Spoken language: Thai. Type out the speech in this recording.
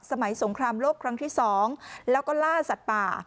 สงครามโลกครั้งที่๒แล้วก็ล่าสัตว์ป่า